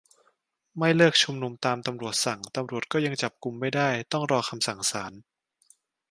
ไม่เลิกชุมนุมตามตำรวจสั่ง ตำรวจก็ยังจับกุมไม่ได้ ต้องรอคำสั่งศาล